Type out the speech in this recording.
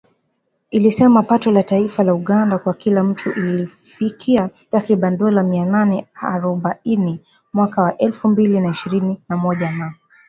ilisema pato la taifa la Uganda kwa kila mtu lilifikia takriban dola mia nane harobaini mwaka wa elfu mbili na ishirini na moja na